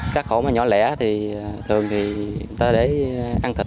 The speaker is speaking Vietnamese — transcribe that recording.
các hộ mà nhỏ lẻ thì thường người ta để ăn thịt